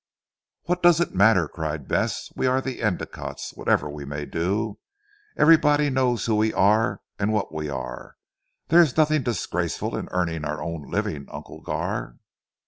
"What does it matter?" cried Bess. "We are the Endicottes whatever we may do. Everybody knows who we are and what we are. There is nothing disgraceful in earning one's own living Uncle Gar!"